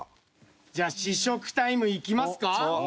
じゃあ試食タイムいきますか。